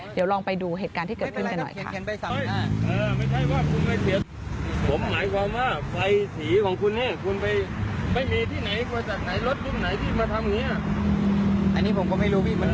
เดี๋ยวลองไปดูเหตุการณ์ที่เกิดขึ้นกันหน่อย